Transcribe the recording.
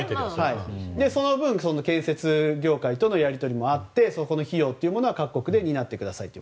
その分、建設業界とのやり取りもあってそこの費用は各国で担ってくださいと。